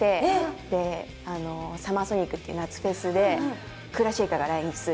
でサマーソニックっていう夏フェスでクーラ・シェイカーが来日する。